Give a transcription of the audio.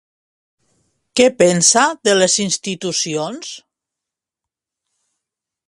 Què pensa de les institucions?